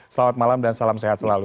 selamat malam dan salam sehat selalu